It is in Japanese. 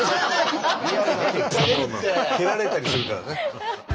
蹴られたりするからね。